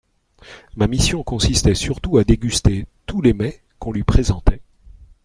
Ma mission consistait surtout à déguster tous les mets qu'on lui présentait.